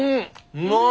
うまい！